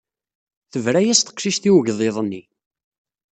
Tebra-as teqcict i ugḍiḍ-nni.